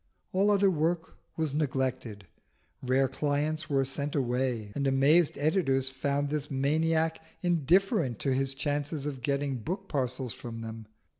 All other work was neglected: rare clients were sent away and amazed editors found this maniac indifferent to his chance of getting book parcels from them.